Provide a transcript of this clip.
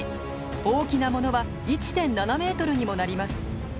大きなものは１．７メートルにもなります。